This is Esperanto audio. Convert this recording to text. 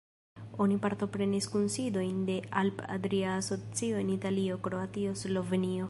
Oni partoprenis kunsidojn de Alp-Adria Asocio en Italio, Kroatio, Slovenio.